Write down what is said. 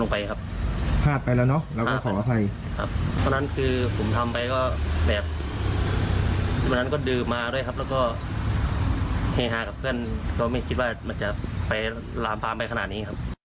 โปรดติดตามตอนต่อไป